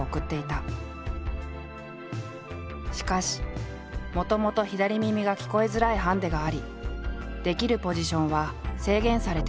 しかしもともと左耳が聞こえづらいハンデがありできるポジションは制限されていた。